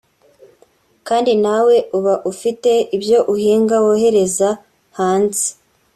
kandi nawe uba ufite ibyo uhinga wohereza hanze